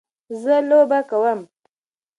زه لوبه کوم.